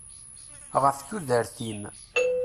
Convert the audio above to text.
Ɣef tudert-im.